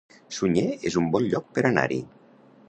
Sunyer es un bon lloc per anar-hi